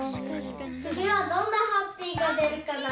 つぎはどんなハッピーがでるかな？